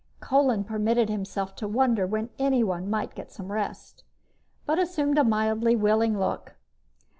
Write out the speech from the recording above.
Kolin permitted himself to wonder when anyone might get some rest, but assumed a mildly willing look.